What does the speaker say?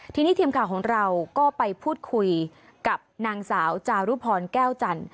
ทีนี้ทีมข่าวของเราก็ไปพูดคุยกับนางสาวจารุพรแก้วจันท